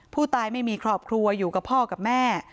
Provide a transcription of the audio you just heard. ไม่มีครอบครัวอยู่กับพ่อกับแม่